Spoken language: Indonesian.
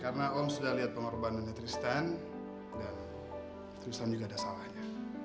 karena om sudah lihat pengorbanannya tristan dan tristan juga ada salahnya